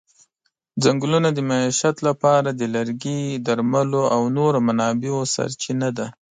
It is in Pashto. ځنګلونه د معیشت لپاره د لرګي، درملو او نورو منابعو سرچینه ده.